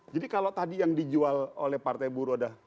jadi kalau tadi yang dijual oleh partai buruh